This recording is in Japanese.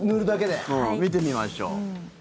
見てみましょう。